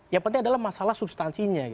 yang penting adalah masalah substansinya